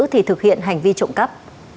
thì thực hiện hành vi trộm cắp